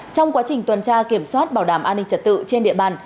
trong quá trình tuần tra kiểm soát bảo đảm an ninh trật tự trên địa bàn